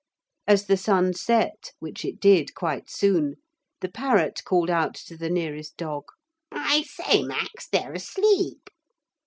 As the sun set, which it did quite soon, the parrot called out to the nearest dog, 'I say, Max, they're asleep.'